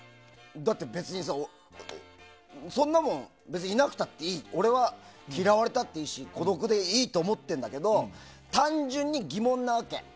だって、別にさそんなもん別にいなくたっていい俺は嫌われたっていいですし孤独でいいと思ってるけど単純に疑問なわけ。